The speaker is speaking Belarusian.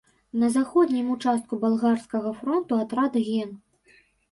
На заходнім участку балгарскага фронту атрад ген.